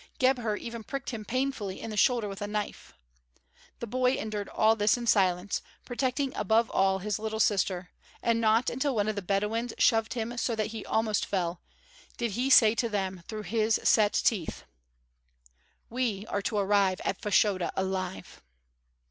Gebhr even pricked him painfully in the shoulder with a knife. The boy endured all this in silence, protecting above all his little sister, and not until one of the Bedouins shoved him so that he almost fell, did he say to them through his set teeth: "We are to arrive at Fashoda alive."